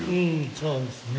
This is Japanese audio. そうですね。